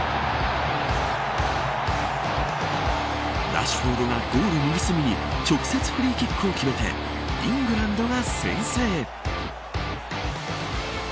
ラシュフォードがゴール右隅に直接フリーキックを決めてイングランドが先制。